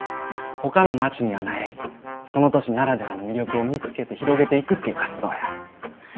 ほかの町にはないその都市ならではの魅力を見つけて広げていくっていう活動や。